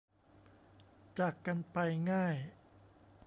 จากกันไปง่าย